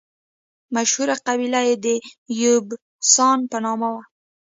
مشهوره قبیله یې د یبوسان په نامه وه.